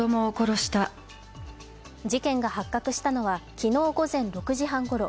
事件が発覚したのは昨日午前６時半ごろ。